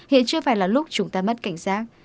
hiện chưa phải là lúc chúng ta mất cảnh giác